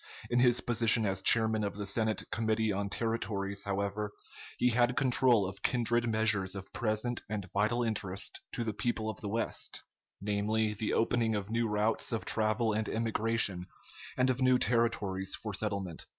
In his position as chairman of the Senate Committee on Territories, however, he had control of kindred measures of present and vital interest to the people of the West; namely, the opening of new routes of travel and emigration, and of new territories for settlement.